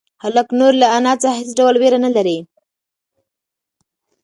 هلک نور له انا څخه هېڅ ډول وېره نهلري.